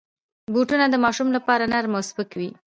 بوټونه د ماشومانو لپاره نرم او سپک وي.